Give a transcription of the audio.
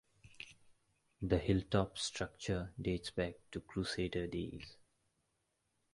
The hill-top structure dates back to crusader days.